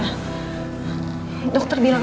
ketika kecil kecilnya kecil